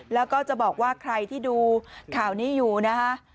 แล้วก็จะบอกว่าใครที่ดูข่าวนี้อยู่นะคะ